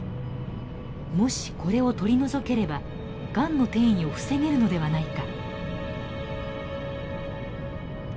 もしこれを取り除ければがんの転移を防げるのではないか。